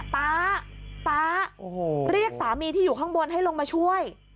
ป๊าป๊าเรียกสามีที่อยู่ข้างบนให้ลงมาช่วย